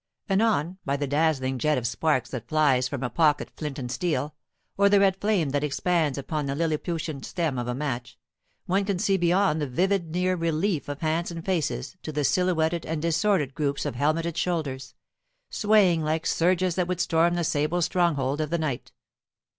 Anon, by the dazzling jet of sparks that flies from a pocket flint and steel, or the red flame that expands upon the lilliputian stem of a match, one can see beyond the vivid near relief of hands and faces to the silhouetted and disordered groups of helmeted shoulders, swaying like surges that would storm the sable stronghold of the night.